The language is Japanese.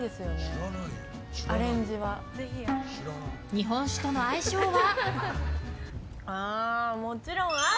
日本酒との相性は。